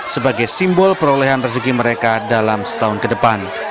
sebagai simbol perolehan rezeki mereka dalam setahun ke depan